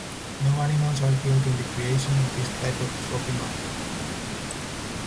No animals are killed in the creation of this type of trophy mount.